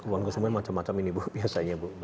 uang konsumen macam macam ini bu biasanya bu